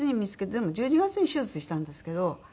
でも１２月に手術したんですけど。